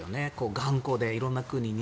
頑固で、色んな国に。